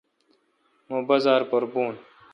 مہ بازار پر بھون۔